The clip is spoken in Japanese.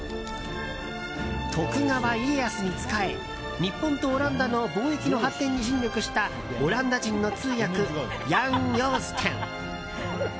徳川家康に仕え日本とオランダの貿易の発展に尽力したオランダ人の通訳ヤン・ヨーステン。